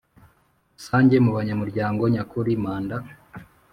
Rusange mu banyamurango nyakuri Manda